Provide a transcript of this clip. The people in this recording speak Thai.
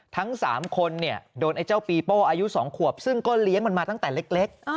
ทั้ง๓คนเนี่ยโดนไอ้เจ้าปีโป้อายุ๒ขวบซึ่งก็เลี้ยงมันมาตั้งแต่เล็ก